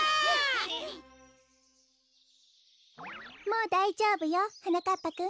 もうだいじょうぶよはなかっぱくん。